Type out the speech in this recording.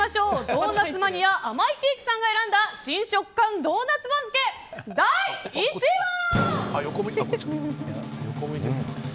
ドーナツマニアあまいけいきさんが選んだ“新食感”ドーナツ番付第１位は。